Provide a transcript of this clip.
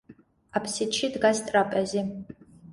აფსიდში დგას ტრაპეზი.